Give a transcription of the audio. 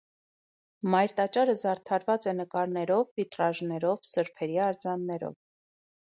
Մայր տաճարը զարդարված է նկարներով, վիտրաժներով, սրբերի արձաններով։